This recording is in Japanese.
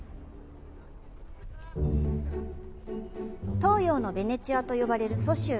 「東洋のヴェネチア」と呼ばれる蘇州。